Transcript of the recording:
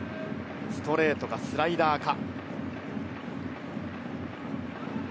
ストレートかスライダーか。